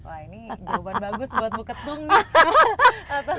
wah ini jawaban bagus buat bu ketum nih